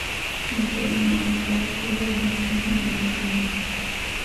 কিন্তু নামটামগুলো অনেকখানি বানাতে হবে।